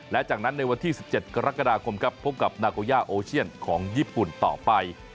และจากนั้นในวันที่๑๗กรกฎาคมครับพบกับนาโกย่าโอเชียนของญี่ปุ่นต่อไป